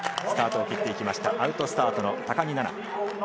スタートを切っていきました、アウトスタートの高木菜那。